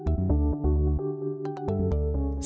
termasuk jalur transportasi kereta api